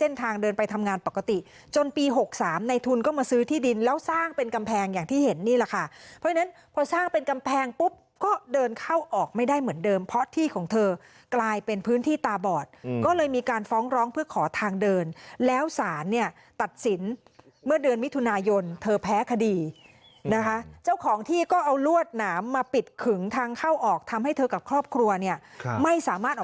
สร้างเป็นกำแพงอย่างที่เห็นนี่แหละค่ะเพราะฉะนั้นพอสร้างเป็นกำแพงปุ๊บก็เดินเข้าออกไม่ได้เหมือนเดิมเพราะที่ของเธอกลายเป็นพื้นที่ตาบอดก็เลยมีการฟ้องร้องเพื่อขอทางเดินแล้วสารเนี่ยตัดสินเมื่อเดินมิถุนายนเธอแพ้คดีนะคะเจ้าของที่ก็เอารวดหนามมาปิดขึงทางเข้าออกทำให้เธอกับครอบครัวเนี่ยไม่สามารถ